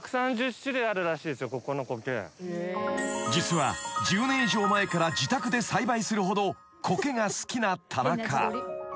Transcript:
［実は１０年以上前から自宅で栽培するほどコケが好きな田中］